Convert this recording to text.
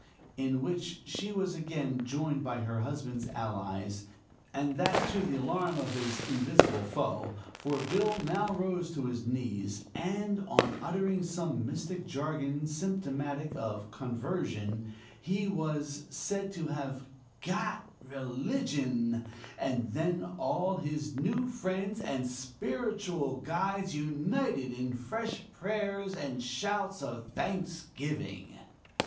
in which she was again joined by her husband's allies, and that to the alarm of his invisible foe; for Bill now rose to his knees, and on uttering some mystic jargon symptomatic of conversion, he was said to have "got religion"; and then all his new friends and spiritual guides united in fresh prayers and shouts of thanksgiving.